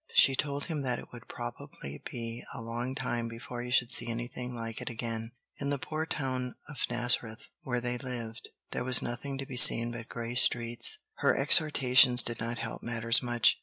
She told him that it would probably be a long time before he should see anything like it again. In the poor town of Nazareth, where they lived, there was nothing to be seen but gray streets. Her exhortations did not help matters much.